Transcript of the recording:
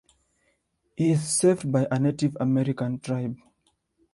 He is saved by a Native American tribe.